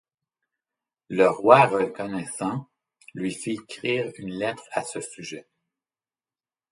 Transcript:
Le roi reconnaissant, lui fit écrire une lettre à ce sujet.